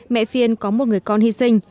mẹ phiên có một người con hy sinh